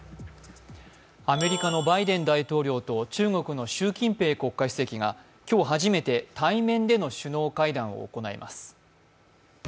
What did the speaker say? アメリカのバイデン大統領と中国の習近平国家主席が今日、初めて対面での首脳会談を行います。